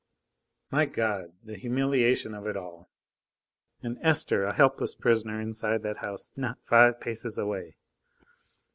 My God! the humiliation of it all. And Esther a helpless prisoner, inside that house not five paces away!